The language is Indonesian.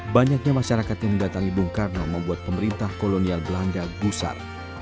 banyaknya masyarakat yang mendatangi bung karno membuat pemerintah kolonial belanda gusar